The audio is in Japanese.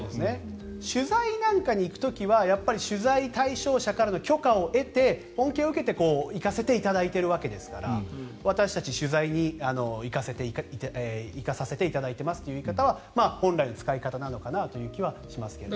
取材なんかに行く時は取材対象者に許可を得て、恩恵を受けて行かせていただいているわけですから私たち、取材に行かせていただいていますという言い方は本来の使い方なのかなという気はしますけどね。